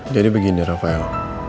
jadi begini rafael